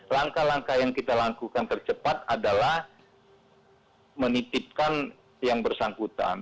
langkah langkah yang kita lakukan tercepat adalah menitipkan yang bersangkutan